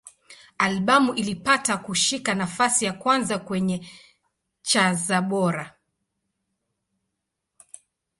Albamu ilipata kushika nafasi ya kwanza kwenye cha za Bora.